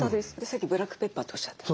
さっきブラックペッパーっておっしゃった。